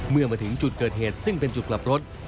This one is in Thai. เมื่อมาถึงจุดเกิดเหตุซึ่งเป็นจุดกลับรถ